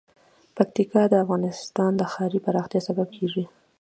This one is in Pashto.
پکتیکا د افغانستان د ښاري پراختیا سبب کېږي.